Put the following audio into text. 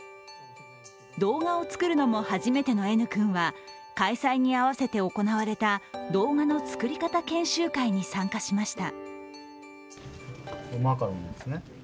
動画を作るのも初めてのＮ君は開催に合わせて行われた動画の作り方研修会に参加しました。